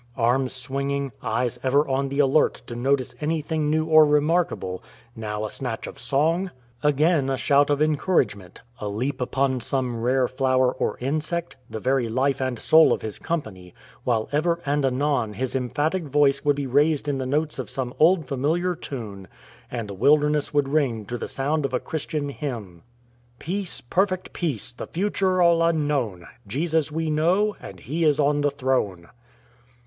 Arms swing ing, eyes ever on the alert to notice anything new or remarkable, now a snatch of song, again a shout of en 127 THE EL MORAN couragement, a leap upon some rare flower or insect — the very life and soul of his company, while ever and anon his emphatic voice would be raised in the notes of some old familiar tune, and the wilderness would ring to the sound of a Christian hymn —'' PeacGj perfect peace^ the future all unknown ; Jesus we know, and He is on the throne."